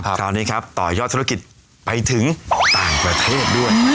คราวนี้ครับต่อยอดธุรกิจไปถึงต่างประเทศด้วย